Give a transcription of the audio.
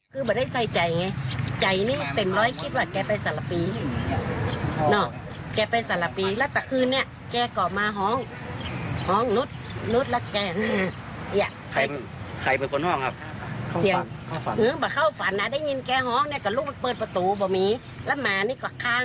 ก็เจอว่าแกหายไปมือนี้ก่อน